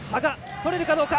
とれるかどうか。